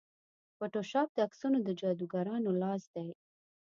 فوټوشاپ د عکسونو د جادوګرانو لاس دی.